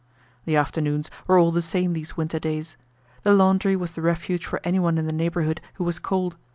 The afternoons were all the same these winter days. The laundry was the refuge for anyone in the neighborhood who was cold.